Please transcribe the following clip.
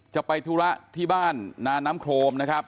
จะไปธุระที่บ้านนาน้ำโครมนะครับ